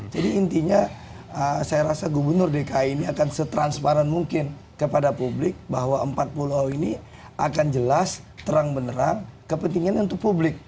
jadi intinya saya rasa gubernur dki ini akan setransparan mungkin kepada publik bahwa empat puluh awal ini akan jelas terang benerang kepentingan untuk publik